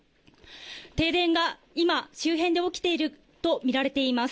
停電が今、周辺で起きていると見られています。